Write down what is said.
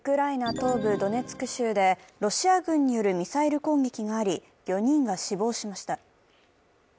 東部ドネツク州でロシア軍によるミサイル攻撃があり、４人が死亡しました。